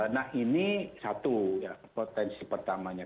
nah ini satu ya potensi pertamanya